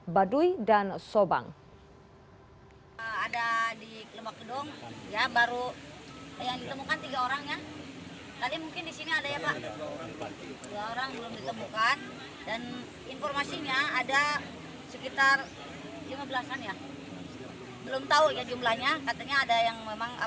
baduy dan sobang